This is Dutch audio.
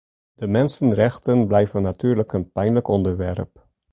De mensenrechten blijven natuurlijk een pijnlijk onderwerp.